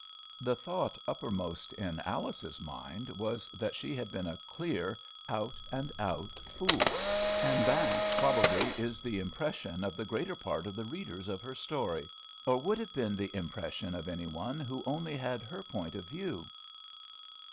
The thought uppermost in Alice's mind was that she had been a clear, out and out fool! And that, probably, is the impression of the greater part of the readers of her story, or would have been the impression of any one who only had her point of view.